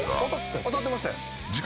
当たってましたやん。